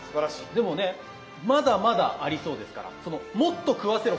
でもねまだまだありそうですから「もっと食わせろ！」